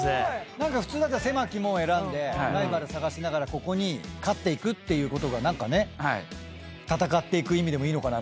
何か普通だったら狭き門選んでライバル探しながらここに勝っていくっていうことが何かね戦っていく意味でもいいのかなと。